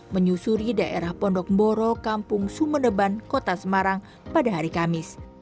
menyusuri daerah pondok boro kampung sumeneban kota semarang pada hari kamis